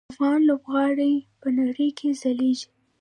افغان لوبغاړي په نړۍ کې ځلیږي.